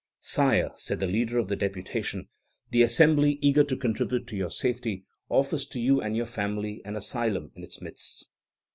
"Sire," said the leader of the deputation, "the Assembly, eager to contribute to your safety, offers to you and your family an asylum in its midst."